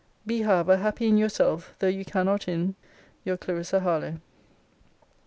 Be, however, happy in yourself, though you cannot in Your CLARISSA HARLOWE.